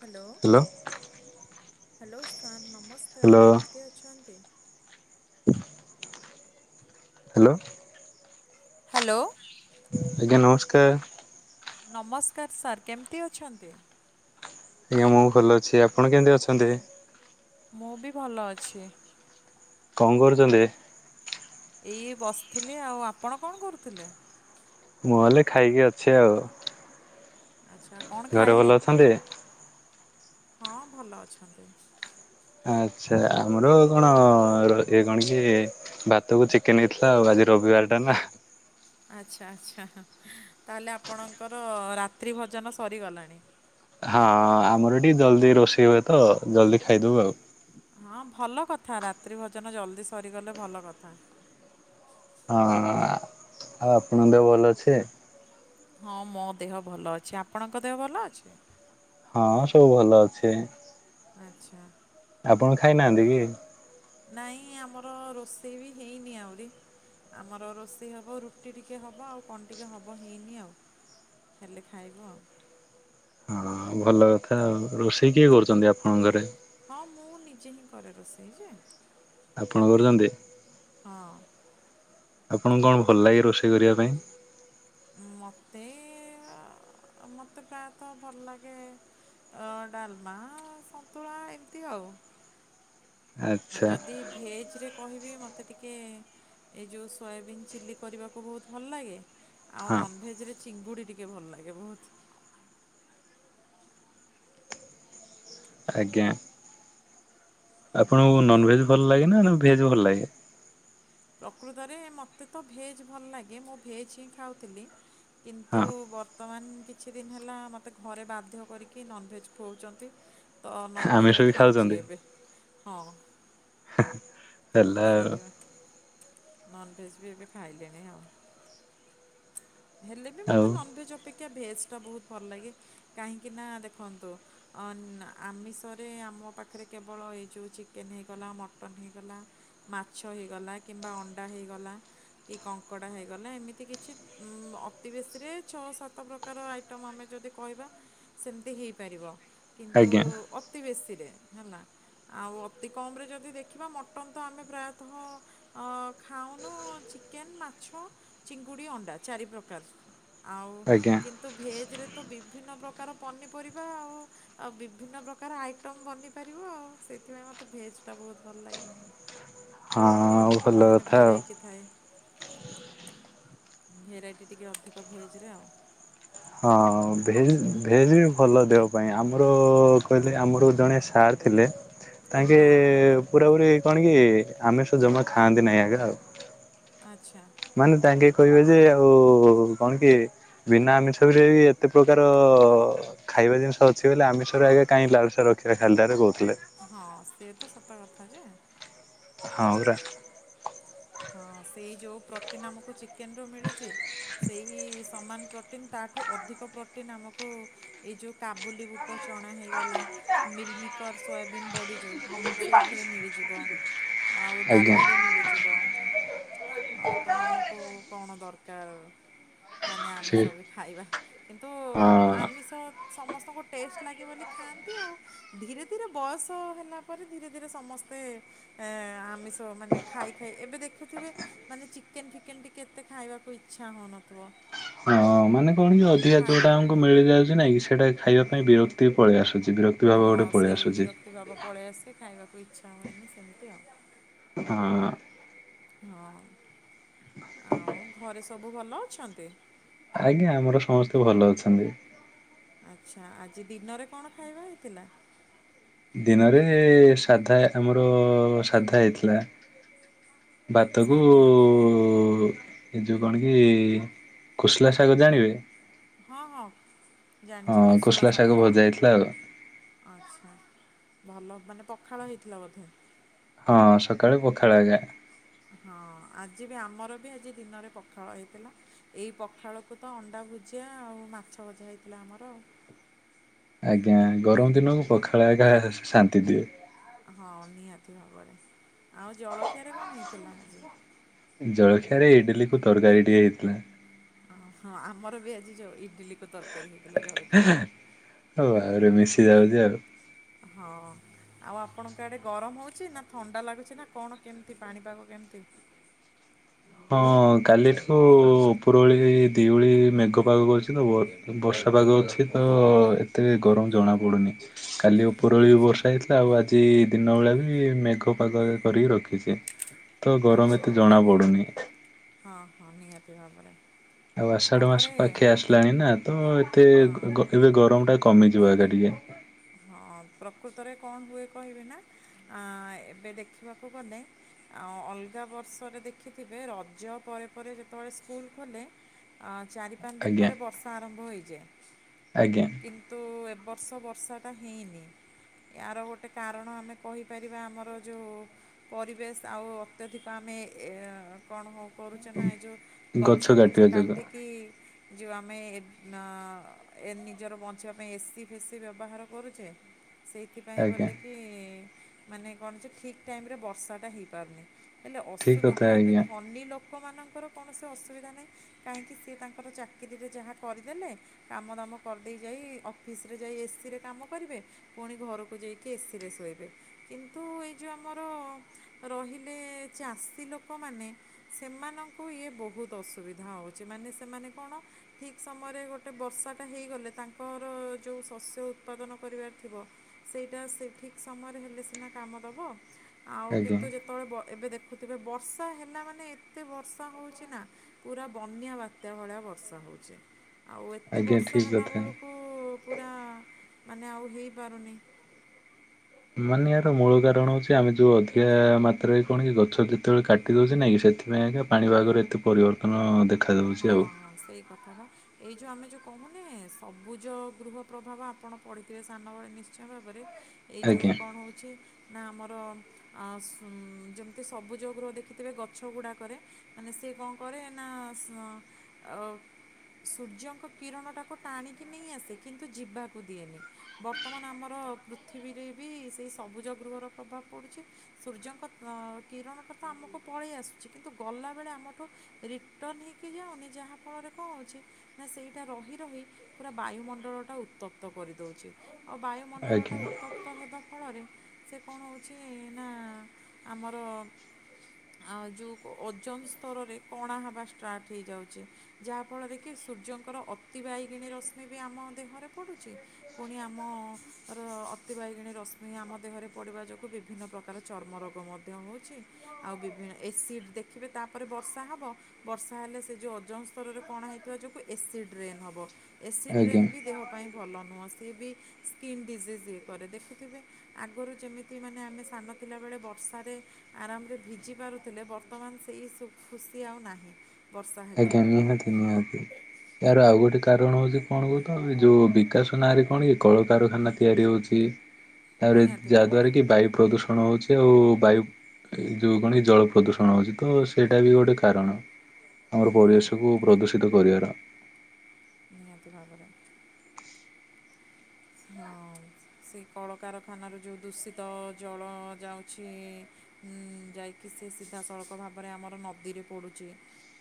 Hello, hello hello sir ନମସ୍କାର hello କେମିତି ଅଛନ୍ତି? ହାଲୋ। ହାଲୋ। ଆଜ୍ଞା, ନମସ୍କାର୍। ନମସ୍କାର ସାର୍ କେମିତି ଅଛନ୍ତି? ଆଜ୍ଞା ମୁଁ ଭଲ ଅଛି ଆପଣ କେମିତି ଅଛନ୍ତି? ମୁଁ ବି ଭଲ ଅଛି। କଣ କରୁଚନ୍ତି? ଏଇ ବସିଥିଲେ ଆଉ ଆପଣ କଣ କରୁଥିଲେ? ମୁଁ ହେଲେ ଖାଇକି ଅଛି ଆଉ। ଆଚ୍ଛା କଣ ଘରେ ଭଲ ଖାଇଲେ ଅଛନ୍ତି? ହଁ ଭଲ ଅଛନ୍ତି। ଆଚ୍ଛା ଆମର କଣ ର ଏ କଣ କି? ଭାତକୁ ଚିକେନ ହେଇଥିଲା ଆଉ ଆଜି ରବିବାର ଟା ନାଁ। ଆଚ୍ଛା ଆଚ୍ଛା ତାହେଲେ ଆପଣଙ୍କର ରାତ୍ରି ଭୋଜନ ସରିଗଲାଣି। ହଁ ଆମର ଟିକେ ଜଲଦି ରୋଷେଇ ହୁଏ ତ ଜଲଦି ଖାଇଦଉ ଆଉ। ହଁ ଭଲ କଥା ରାତ୍ରି ଭୋଜନ ଜଲଦି ସରିଗଲେ ଭଲ କଥା। ହଁ ଆଉ ଆପଣଙ୍କ ଦେହ ଭଲ ଅଛି? ହଁ ମୋ ଦେହ ଭଲ ଅଛି ଆପଣଙ୍କ ଦେହ ଭଲ ଅଛି? ହଁ ସବୁ ଭଲ ଅଛି। ଆଚ୍ଛା। ଆପଣ ଖାଇନାହାନ୍ତି କି? ନାଇଁ ଆମର ରୋଷେଇ ବି ହେଇନି ଆହୁରି ଆମର ରୋଷେଇ ହବ ରୁଟି ଟିକେ ହବ ଆଉ କଣ ଟିକେ ହବ ହେଇନି ଆଉ। ହେଲେ ଖାଇବୁ ଆଉ। ହଁ ଭଲ କଥା ଆଉ ରୋଷେଇ କିଏ କରୁଛନ୍ତି ଆପଣଙ୍କ ଘରେ? ହଁ ମୁଁ ନିଜେ ହିଁ କରେ ରୋଷେଇ ଯେ। ଆପଣ କରୁଚନ୍ତି? ହଁ। ଆପଣଙ୍କୁ କଣ ଭଲ ଲାଗେ ରୋଷେଇ କରିବା ପାଇଁ? ମୋତେ ମୋତେ ପ୍ରାୟ ତ ଭଲ ଲାଗେ ଅ ଡାଲମା ସନ୍ତୁଳା ଏମିତି ଆଉ। ହଁ ଆଚ୍ଛା ଯଦି ଭେଜ ରେ କହିବି ମୋତେ ଟିକେ ଏଇ ଯଉ ସୋୟାବିନ୍ ଚିଲ୍ଲି କରିବାକୁ ବହୁତ ଭଲ ଲାଗେ। ଆଉ ହଁ ନନବେକରେ ଚିଙ୍ଗୁଡ଼ି ଟିକେ ଭଲ ଲାଗେ ବହୁତ। ଆଜ୍ଞା ଆପଣଙ୍କୁ ନନଭେଜ୍ ଭଲ ଲାଗେ ନା ଭେଜ୍ ଭଲ ଲାଗେ? ପ୍ରକୃତରେ ମୋତେ ତ ଭେଜ୍ ଭଲ ଲାଗେ, ମୁଁ ଭେଜ୍ ହିଁ ଖାଉଥିଲି। କିନ୍ତୁ ହଁ ବର୍ତ୍ତମାନ କିଛି ଦିନ ହେଲା ମୋତେ ଘରେ ବାଧ୍ୟ କରିକି ନନଭେଜ୍ ଖଉଛନ୍ତି। ତ ନନଭେଜ୍ ଆମିଷ ବି ଖାଉଛି ଖାଉଛନ୍ତି? ଏବେ, ହଁ। ଓହ ହେଲା ଆଉ ସେଇଥି ପାଇଁ ନନଭେଜ ବି ଏବେ ଖାଇଲେଣି ଆଉ। ହେଲେ ବି ଆଉ ମୋତେ ନନଭେଜ୍ ଅପେକ୍ଷା ଭେଜ୍ ଟା ବୋହୁତ ଭଲ ଲାଗେ କାହିଁକିନା ଦେଖନ୍ତୁ ଅନା ଆମିଷରେ ଆମ ପାଖରେ କେବଳ ଏଇ ଯଉ ଚିକେନ ହେଇଗଲା ମଟନ୍ ହେଇଗଲା। ମାଛ ହେଇଗଲା କିମ୍ବା ଅଣ୍ଡା ହେଇଗଲା କି କଙ୍କଡ଼ା ହେଇଗଲା ଏମିତି କିଛି ଅତି ବେଶୀରେ ଛଅ ସାତ ପ୍ରକାର ଆଇଟମ୍ ଆମେ ଯଦି କହିବା ସେମିତି ହେଇପାରିବ କିନ୍ତୁ ଆଜ୍ଞା ଅତି ବେଶୀରେ ହେଲା। ଆଉ ଅତି କମରେ ଯଦି ଦେଖିବା ମଟନ୍ ତ ଆମେ ପ୍ରାୟତଃ ଅ ଖାଉନୁ ଚିକେନ ମାଛ ଚିଙ୍ଗୁଡି ଅଣ୍ଟ ଚାରି ପ୍ରକାର ଆଉ ଆଜ୍ଞା କି ତ ଭେଜରେ ତ ବିଭିନ୍ନ ପ୍ରକାର ପନିପରିବା ଆଉ ଆଉ ବିଭିନ୍ନ ପ୍ରକାର ଆଇଟମ୍ ବନିପାରିବ ଆଉ ସେଇଥିପାଇଁ ମୋତେ ଭେଜ୍ ଟା ବହୁତ ଭଲ ଲାଗେ। ହଁ ଭଲ ମାନେ କଥା ଆଉ। ଭେରାଇଟି ଥାଏ। ଭେରାଇଟି ଟିକେ ଅଧିକ ଭେଜରେ ଆଉ। ହଁ ଭେଜ୍ ଭେଜ୍ ବି ଭଲ ଦେହ ପାଇଁ ଆମର କହିଲେ ଆମର ଜଣେ ସାର୍ ଥିଲେ। ତାଙ୍କେ ହଁ ପୁରାପୁରୀ କଣ କି ଆମିଷ ଜମା ଖାଆନ୍ତି ନାହିଁ, ଆଜ୍ଞା ଆଉ। ଆଚ୍ଛା। ମାନେ ତାଙ୍କେ କହିବେ ଯେ ଆଉ କଣ କି ବିନା ଆମିସ ରେ ବି ଏତେ ପ୍ରକାର ଖାଇବା ଜିନିଷ ଅଛି ବୋଲି ଆମିଷରେ ଆଜ୍ଞ୍ୟା କାଇଁ ଲାଳସା ରଖି ଖାଲିଟାରେ କହୁଥିଲେ। ହଁ ସିଏତ ସତ କଥା ନା। ହଁ ପରା। ହଁ ସେଇ ଯୋଉ ପ୍ରୋଟିନ୍ ଆମକୁ ଚିକେନ ରୁ ମିଳୁଛି। ସେହି ସମାନ ପ୍ରୋଟିନ୍ ତାଠୁ ଅଧିକ ପ୍ରୋଟିନ ଆମକୁ ଏଇ ଯୋଉ କାବୁଲି ବୁଟ ଚଣା ହେଇଗଲା। ମିଲମିକର ସୋୟାବିନ୍ ବଡ଼ି ଯୋଉ ସେଇଥିରେ ମିଳିଯିବ। ଆଉ ଆଜ୍ଞା। ଡାଲିରେ ମିଳିଯିବ। ଆ ତ ଆମକୁ କଣ ଦରକାର ମାନେ ସେ ଆମିଷ ଭି। ଖାଇବା କିନ୍ତୁ ହଁ। ଆମିଷ ସମସ୍ତଙ୍କୁ ଟେଷ୍ଟେ ଲାଗେ ବୋଲି ଖାଆନ୍ତି ଆଉ। ଧୀରେ ଧୀରେ ବୟସ ହେଲା ପରେ ଧୀରେ ଧୀରେ ସମସ୍ତେ ଏଁ ଆମିଷ ମାନେ ଖାଇ ଖାଇ ଏବେ ଦେ ରଖିଥିବେ ମାନେ ଚିକେନ ଫିକେନ ଟିକେ ଏତେ ଖାଇବାକୁ ଇଚ୍ଛା ହୋଉନଥିବ। ହଁ ମାନେ କଣ କି ଅଧିକା ଯୋଉଟା ଆମକୁ ମିଳିଯାଉଛି। ନାଇଁ କି ସେଇଟା ଖାଇବା ପାଇଁ ବିରକ୍ତି ପଳେଇ ଆସୁଛି, ବିର ବିଭାଗ ଗୋଟେ ପଳେଇଆସୁଛି। ପ୍ରତି ବାବା ପଳେଇ ଆସେ ଖାଇବାକୁ ଇଚ୍ଛା ହୁଏନି ସେମିତି ଆଉ। ହଁ ହଁ। ହଁ ଆଉ ଘରେ ସବୁ ଭଲ ଅଛନ୍ତି? ଆଜ୍ଞା ଆମର ସମସ୍ତେ ଭଲ ଅଛନ୍ତି। ଆଚ୍ଛା ଆଜି ଦିନରେ କଣ ଖାଇବା ହେଇଥିଲା? ଦିନରେ ସାଧା, ଆମର ସାଧା ହେଇଥିଲା। ଭାତକୁ ସାଧା କଣ କି, କୋଶଲା ଶାଗ ଜାଣିବେ ହଁ ହଁ ଜାଣିଚି ହଁ କୋଶଳା କୋଶଲା ଶାଗ ତ? ଭଜା ହେଇଥିଲା ଆଉ। ଆଚ୍ଛା ଭଲ ମାନେ ପଖାଳ ହେଇଥିଲା ବୋଧେ। ହଁ ସକାଳେ ପଖାଳ ହେଇଥିଲା। ହଁ ଆଜି ବି ଆମର ବି ଆଜି ଦିନରେ ପଖାଳ ହେଇଥିଲା। ଏଇ ପଖାଳକୁ ତ ଅଣ୍ଡା ଭୁଜିଆ ଆଉ ମାଛ ଭଜା ହେଇଥିଲା ଆମର। ଆଜ୍ଞା ଗରମ ଦିନକୁ ହଁ। ପଖାଳ ଆଗ ଶାନ୍ତି ଦିଏ। ହଁ ନିହାତି ଭାବରେ ଆଉ ଜଳଖିଆରେ କଣ ହେଇଥିଲା ଆଜି? ଜଳଖିଆ ରେ ଇଡିଲି କୁ ତରକାରୀ ଟିକେ ହେଇଥିଲା। ଓ ହଁ ଆମର ବି ଆଜି ଯୋଉ ଇଡିଲି ତରକାରୀ ହେଇଥିଲା ଜଳଖିଆରେ ହଉ ହଁ। ଆହୁରି ମିଶି ଯାଉଛି ଆଉ। ଆଉ ଆପଣଙ୍କ ଆଡେ ଗରମ ହଉଛି ନା ଥଣ୍ଡା ଲାଗୁଛି ନା କଣ କେମିତି ପାଣିପାଗ କେମିତି? ହଁ କାଲି ଠୁ ଉପରବୁଳି ଦିଓଳି ମେଘପାଗ କରିଛି ତ ବ ବର୍ଷା ପାଗ ଅଛି ତ ଏତେ ଗରମ ଜଣାପଡ଼ୁନି କାଲି ଅ ଉପୁରବୁଳି ବି ଆଚ୍ଛା ବର୍ଷା ହେଇଥିଲା ଆଉ ଆଜି ଦିନବେଳା ବି ମେଘ ପାଗ କରିକି ରଖିଛି। ତ ଗରମ ଆଚ୍ଛା ଏତେ ଜଣାପଡ଼ୁନି। ହଁ ହଁ ନିହାତି ଭାବରେ। ଆଉ ଆଷାଢ଼ ମାସ ତାପରେ ପାଖେଇ ଆସିଲାଣି ନା ତ ଏତେ ହଁ ଏବେ ଗରମଟା କମିଯିବ ଆଗେ ଟିକେ। ହଁ ପ୍ରକୃତରେ କଣ ହୁଏ କହିବି ନା ଆଁ ଏବେ ଦେଖିବାକୁ ଗଲେ। ଆଉ ଅଲଗା ବର୍ଷରେ ଦେଖିଥିବେ ରଜ ପରେ ପରେ ଯେତେବେଳେ ସ୍କୁଲ ଖୋଲେ। ଆ ଚାରି ପାନ ଦିନି ଆଜ୍ଞା ପରେ ବର୍ଷା ଆରମ୍ଭ ହୋଇଯାଏ ଆଜ୍ଞା କିନ୍ତ ତୁ ଏ ବର୍ଷ ବର୍ଷାଟା ହେଇନି। ଇଆର ଗୋଟେ କାରଣ ଆମେ କହିପାରିବା ଆମର ଯୋଉ। ପରିବେଶ ଆଉ ଅତ୍ୟଧିକ ଆମେ ଏ କଣ ହଉ କରୁଛ ନା ଏ ଯେଉଁ ଗଛ ଫଛ କାଟିବା ଯୋଗୁଁ କାଟିକି। ଯଉ ଆମେ ଏ ଅ ନିଜର ବଞ୍ଚିବା ପାଇଁ ଏସିି ଫେସି ବ୍ୟବହାର କରୁଛେ ସେଇଥିପାଇଁ ଆଜ୍ଞା ବୋଲିକି ମାନେ କଣଯେ ଠିକ୍ ଟାଇମରେ ବର୍ଷାଟା ହେଇପାରୁନି ହେଲେ ଠିକ କଥା ଅସୁବିଧା ଏବେ ଆଜ୍ଞା ଧନୀ ଲୋକ ଲୋକମାନଙ୍କର କୌଣସି ଅସୁବିଧା ନାହିଁ କାହିଁକି ସିଏ ତାଙ୍କର ଚାକିରିରେ ଯାହା କରିଦେଲେ। କାମ ଦାମ କରିଦେଇ ଯାଇ ଅଫିସରେ ଯାଇ ଏସିରେ। କାମ କରିବେ ପୁଣି ଘରକୁ ଯାଇକି ଏସିରେ ଶୋଇବେ। କିନ୍ତୁ ଏଇ ଯେଉ ଆମର ରହିଲେ ଚାଷୀ ଲୋକମାନେ। ସେମାନଙ୍କୁ ଇଏ ବହୁତ ଅସୁବିଧା ହଉଛି। ମାନେ ସେମାନେ କଣ। ଠିକ ସମୟରେ ଗୋଟେ ବର୍ଷାଟା ହେଇଗଲେ, ତାଙ୍କର ଯୋଉ ଶସ୍ୟ ଉତ୍ପାଦନ କରିବାର ଥିବ, ସେଇଟା ସେ ଠିକ୍ ସମୟରେ ହେଲେ ସିନା କାମ ଦେବ। ଆଉ ଆଜ୍ଞା। କିନ୍ତୁ ଯେତେବେଳେ ଏବେ ଦେଖୁଥିବେ ବର୍ଷା ହେଲା ମାନେ ଏତେ ବର୍ଷା ହେଉଛି ନା। ପୁରା ବନ୍ୟା ବାତ୍ୟା ଭଳିଆ ବର୍ଷା ହଉଛି ଆଉ ଏତେ ଆଜ୍ଞା ବର୍ଷା ଠିକ କଥା। ହେଲାବୁଳୁ ପୁରା ମାନେ ଆଉ ହେଇପାରୁନି। ମାନେ ଏହାର ମୂଳ କାରଣ ହଉଛି ଆମେ ଯୋଉ ଅଧିକା ମାତ୍ରାରେ କଣ କି ଗଛ ଯେତେବେଳେ କାଟି କାଟି ଦେଉଛି ନାଇଁ କିି, ସେଥିପାଇଁ ଆଜ୍ଞା ପାଣିପାଗରେ ଏତେ ପରିବର୍ତ୍ତନ ଦେଖାଯାଉଛି ହଁ ଆଉ। ହଁ ସେଇ କ [unintelligible] ଏଇ ଯୋଉ ଆମେ ଯଉ କହୁନେ ସବୁଜ ଗୃହ ପ୍ରଭାବ ଆପଣ ପଡ଼ିଥିବେ ସାନବେଳେ ନିଶ୍ଚୟ ଭାବରେ। ଏଇ ଯୋଉ ଆଜ୍ଞା। କଣ ହଉଛି। ନା ଆମର ଯେମିତି ସବୁଜ ଗୃହ ଦେଖିଥିବେ ଗଛ ଗୁଡ଼ାକରେ। ମାନେ ସିଏ କଣ କରେ ନା ଅ ସୂର୍ଯ୍ୟଙ୍କ କିରଣଟାକୁ ଟାଣିକି ନେଇ ଆସେ କିନ୍ତୁ ଯିବାକୁ ଦିଏନି। ବର୍ତ୍ତମାନ ଆମର ପୃଥିବୀରେ ବି ସେଇ ସବୁଜ ଗୃହର ପ୍ରଭାବ ପଡ଼ୁଛି। ସୂର୍ଯ୍ୟଙ୍କ କିରଣଟାତ ଆମକୁ ପଳେଇ ଆସୁଛି କିନ୍ତୁ ଗଲାବେଳେ ଆମଠୁ ରିଟର୍ନ ହେଇକି ଯାଉନି ଯାହା ଫଳରେ କଣ ହଉଛି। ନା ସେଇଟା ରହି ରହି ପୁରା ବାୟୁମଣ୍ଡଳଟା ଉତ୍ତପ୍ତ କରିଦଉଛି। ଓ ବାୟୁମଣ୍ଡଳଟା ଆଜ୍ଞା ଉତ୍ତପ୍ତ ହେବା ଫଳରେ ସେ କଣ ହେଉଛି ନା ଆମର ଆଉ ଯୋଉ ଓଜନ ସ୍ତରରେ କଣା ହେବା ଷ୍ଟାର୍ଟ ହେଇଯାଉଛି। ଯାହାଫଳରେ କି ସୂର୍ଯ୍ୟଙ୍କର ଅତି ବାଇଗେଣୀ ରଶ୍ମି ବି ଆମ ଦେହରେ ପଡୁଛି। ପୁଣି ଆମର ଅତି ବାଇଗେଣୀ ରଶ୍ମି ଆମ ଦେହରେ ପଡ଼ିବା ଯୋଗୁଁ ବିଭିନ୍ନ ପ୍ରକାର ପ୍ରକାର ଚର୍ମ ରୋଗ ମଧ୍ୟ ହେଉଛି ଆଉ ବିଭିନ୍ନ ଏସିଡ ଦେଖିବେ ତାପରେ ବର୍ଷା ହବ। ବର୍ଷା ହେଲେ ସେ ଯୋଉ ଓଜନ ସ୍ତରରେ କଣା ହେଇଥିବା ଯୋଗୁଁ ଏସିଡ୍ ରେନ ହେବ। ଏସିଡ୍ରେ ରେନ ଆଜ୍ଞା ବି ଦେହ ପାଇଁ ଭଲ ନୁହଁ। ସିଏ ବି ସ୍କିନ୍ ଡିଜିଜ୍ ଇଏ କରେ ଦେଖୁଥିବେ। ଆଗରୁ ଯେମିତି ମାନେ ଆମେ ସାନ ଥିଲାବେଳେ ବର୍ଷାରେ ଆରାମରେ ଭିଜି ପାରୁଥିଲେ ବର୍ତ୍ତମାନ ସେଇ ସୁ ଖୁସି ଆଉ ନାହିଁ। ବର୍ଷା ହେଲେ ଆଜ୍ଞା ନିହାତି ନିିହାତି। ଏହାର ଆଉ ଗୋଟେ କାରଣ ହଉଛି କଣ କହୁ ତ ଏ ଯୋଉ ବିକାଶ ନାଁରେ କଣ କି କଳକାରଖାନା ତିଆରି ହଉଛି। ତାପରେ ନିହାତି ଭାବରେ ଯାହାଦ୍ଵାରା କି ବାୟୁ ପ୍ରଦୂଷଣ ଷଣ ହେଉଛି ଆଉ ବାୟୁ ଯେଉଁ କଣ ଜଳ ପ୍ରଦୂଷଣ ହେଉଛି ତ ସେଇଟା ବି ଗୋଟେ କାରଣ। ଆମର ପରିବେଶକୁ ପ୍ରଦୂଷିତ କରିବାର ନିହାତି ଭାବରେ। ହଁ ସେ କଳକାରଖାନାରୁ ଯେଉଁ ଦୂଷିତ ଜଳ ଯାଉଛି। ଯାଇକି ସେ ସିଧାସଳଖ ଭାବରେ ଆମର ନଦୀରେ ପଡ଼ୁଛି।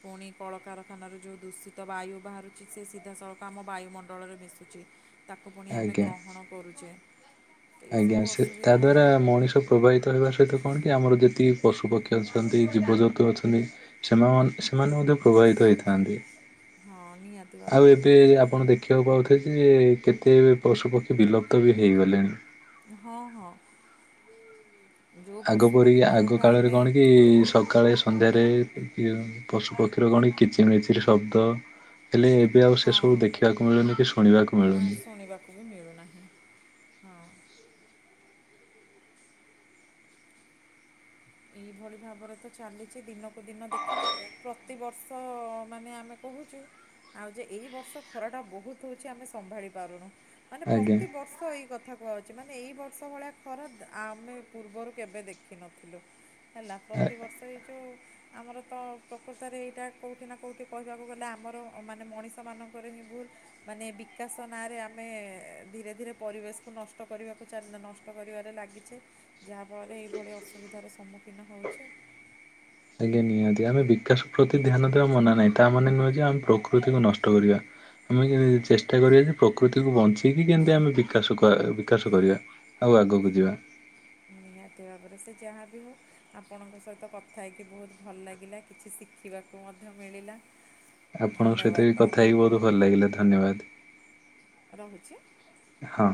ପୁଣି କଳକାରଖାନାରୁ ଯେଉଁ ଦୂଷିତ ବାୟୁ ବାହାରୁଛି ସେ ସିଧାସଳଖ ଆମ ବାୟୁମଣ୍ଡଳରେ ମିଶୁଛି। ତାକୁ ପୁଣି ଆମେ ଆଜ୍ଞା। ଗ୍ରହଣ କରୁଛେ। ତ ଆଜ୍ଞା ଏଇସବୁ ସେ ତା ଅସୁବିଧା ଦ୍ଵାରା ମଣିଷ ପ୍ରବାହିତ ହେବା ସହିତ କଣ କି ଆମର ଯେତିକି ପଶୁପକ୍ଷୀ ଅଛନ୍ତି ଜୀବଜନ୍ତୁ ଅଛନ୍ତି ସେମାନେ ମ ସେମାନେ ମଧ୍ୟ ପ୍ରଭାବିତ ହେଇଥାନ୍ତି। ହଁ ନିୟ ଆଉ ଏବେ ଆପଣ ଦେଖିବାକୁ ପାଉଥିବ ଯେ କେତେ ପଶୁପକ୍ଷୀ ବିଲୁପ୍ତ ବି ହୋଇଇଗଲେଣି। ହଁ ହଁ। ଯେଉଁ ଆଗ ପରିକି ଆଗ ପଶୁପକ୍ଷୀମାନଙ୍କୁ କାଳରେ ଆମେ କଣ କି ସକାଳେ ସନ୍ଧ୍ୟାରେ ପଶୁ ପକ୍ଷୀର କଣ କିଚି ମିଚିରି ଶବ୍ଦ ହେଲେ ବି ଆଉ ସେ ହଁ ସବୁ ଦେଖିବାକୁ ମିଳୁନି କି ଶୁଣିବାକୁ ନା ମିଳୁନି। ଶୁଣିବାକୁ ବି ମିଳୁନାହିଁ ହଁ। ଏଇଭଳି ଭାବରେ ତ ଚାଲିଛି। ଦିନକୁ ଦିନ ଦେଖିବେ ପ୍ରତିବର୍ଷ ମାନେ ଆମେ କହୁଛୁ ଆଉ ଯେ ଏଇ ବର୍ଷ ଖରାଟା ବହୁତ ହଉଛି ଆମେ ସମ୍ଭାଳି ପାରୁନୁ ମାନେ ଆଜ୍ଞା। ପ୍ରତିିବର୍ଷ ଏଇ କଥା। କଥା କୁହାାଉଛି ମାନେ ଏଇ ବର୍ଷ ଭଳିଆ ଖରା ଆମେ ପୂର୍ବରୁ କେବେ ଦେଖିନଥିଲୁ। ହେଲା ପ୍ରତିବର୍ଷ ଏଇ ଯୋଉ ଆମର ତ ପ୍ରକୃଷାରେ ଏଇଟା କେଉଁଠି ନା କେଉଁଠି କହିବାକୁ ଗଲେ ଆମର ମାନେ ମଣିଷମାନଙ୍କର ହିଁ ଭୁଲ। ମାନେ ବିକାଶ ନାଁରେ ଆମେ ଧୀରେ ଧୀରେ ପରିବେଶକୁୁ ନଷ୍ଟ କରିବାକୁ ଚାଲ କଷ୍ଟ କରିବାରେ ଲାଗିଛେ ଯାହାଫଳରେ ଏହିଇଭଳି ଅସୁବିଧାର ସମ୍ମୁଖୀନ ହେଉଛି। ଆଜ୍ଞା ନିହାତି ଆମେ ବିକାଶ ପ୍ରତି ଧ୍ୟାନ ଦେବା ମନା ନାହିଁ ତା ମନେ ନୁହେଁ ଯେ ଆମେ ପ୍ରକୃତିକୁ ନଷ୍ଟ କରିବା। ଆମେ ଚେଷ୍ଟା କରିବା ଯେ ପ୍ରକୃତିକୁ ବଞ୍ଚେଇକି କେମତି ଆମେ ବିକାଶ ବିକାଶ କରିବା। ଆଉ ଆଗକୁ ଯିବା। ନିହାତି ଆାବର ସେ ଯାହା ବି ହଉ ଆପଣଙ୍କ ସହିତ କଥା ହେଇକି ବହୁତ ଭଲ ଲାଗିଲା କିଛି ଶିଖିବାକୁ ମଧ୍ୟ ମିଳିଲା। ଆପଣଙ୍କ ସହିତରେ ଧନ୍ୟବାଦ ବି କଥା ତାହେଲେ ହେଇକି ବହୁତ ଭଲ ଲାଗିଲା ଧନ୍ୟବାଦ। ରହୁଛି। ହଁ।